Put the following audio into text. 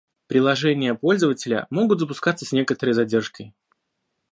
Приложения пользователя могут запускаться с некоторой задержкой